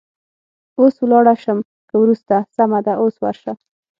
اوس ولاړه شم که وروسته؟ سمه ده، اوس ورشه.